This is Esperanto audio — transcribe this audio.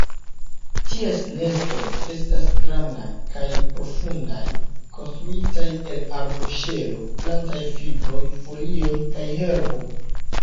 Ties nestoj estas grandaj kaj profundaj, konstruitaj el arboŝelo, plantaj fibroj, folioj kaj herbo.